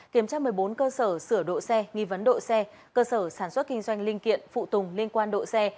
kiểm tra một mươi bốn cơ sở sửa đổi xe nghi vấn độ xe cơ sở sản xuất kinh doanh linh kiện phụ tùng liên quan độ xe